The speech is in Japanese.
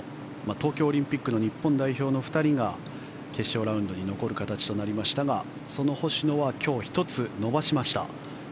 東京オリンピックの日本代表の２人が決勝ラウンドに残る形となりましたがその星野は今日１つ伸ばしました。